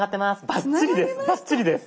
バッチリです。